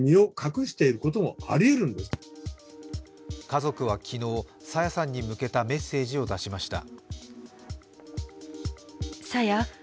家族は昨日、朝芽さんに向けたメッセージを出しました。